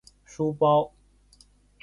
书包